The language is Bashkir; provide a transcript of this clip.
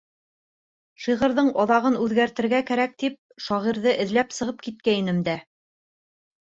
Шиғырҙың аҙағын үҙгәртергә кәрәк тип шағирҙы эҙләп сығып киткәйнем дә.